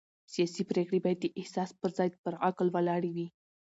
سیاسي پرېکړې باید د احساس پر ځای پر عقل ولاړې وي